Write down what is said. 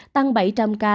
tăng bảy trăm linh ca